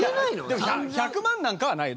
でも１００万なんかはないよ。